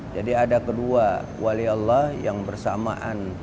jadi ada kedua wali wali allah yang bersamaan